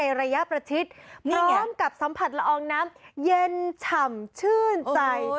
ระยะประชิดมาพร้อมกับสัมผัสละอองน้ำเย็นฉ่ำชื่นใจ